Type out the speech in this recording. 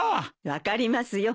分かりますよ